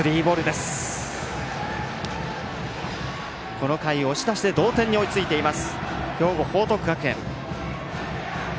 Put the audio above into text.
この回、押し出しで同点に追いついている兵庫、報徳学園。